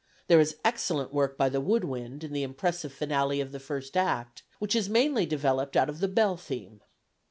There is excellent work by the wood wind in the impressive finale of the first act, which is mainly developed out of the bell theme.